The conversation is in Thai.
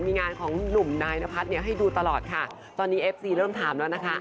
มีงานของหนุ่มนายนพัฒน์เนี่ยให้ดูตลอดค่ะตอนนี้เอฟซีเริ่มถามแล้วนะคะ